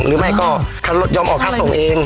หรือไม่ก็เค้ารถยอมออกข้าวส่งเอง